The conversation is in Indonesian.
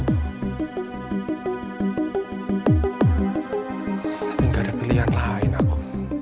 tapi gak ada pilihan lain aku